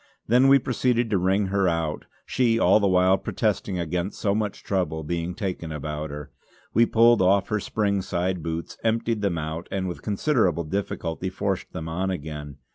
Then we proceeded to wring her out, she all the while protesting against so much trouble being taken about her. We pulled off her spring side boots, emptied them out and, with considerable difficulty, forced them on again.